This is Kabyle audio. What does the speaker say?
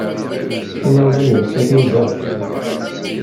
Imawlan-nnes atni da.